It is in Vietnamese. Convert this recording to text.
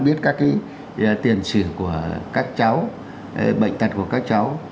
biết các cái tiền sử của các cháu bệnh tật của các cháu